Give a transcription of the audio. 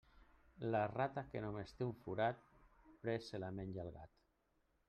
La rata que només té un forat, prest se la menja el gat.